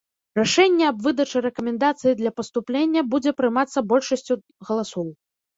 Рашэнне аб выдачы рэкамендацыі для паступлення будзе прымацца большасцю галасоў.